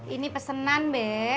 ini pesenan be